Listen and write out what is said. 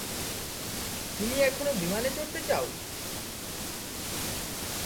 তুমি এখনো বিমানে চড়তে চাও?